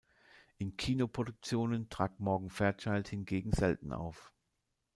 In Kinoproduktionen trat Morgan Fairchild hingegen selten auf.